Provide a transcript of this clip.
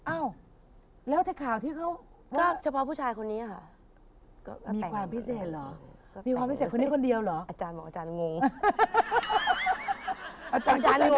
อ้าวแล้วเทคข่าวที่เค้า